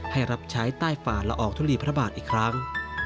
ให้รับใช้ใต้ฝ่าและออกทุลีพระบาทอีกครั้ง